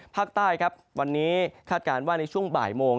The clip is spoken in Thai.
ภาคใต้ครับวันนี้คาดการณ์ว่าในช่วงบ่ายโมง